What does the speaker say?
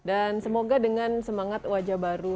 dan semoga dengan semangat wajah baru